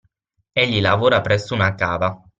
Egli lavora presso una cava